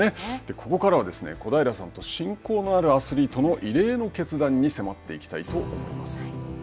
ここからは小平さんと親交のあるアスリートの異例の決断に迫っていきたいと思います。